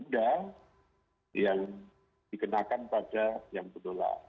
dan yang dikenakan pada yang berdoa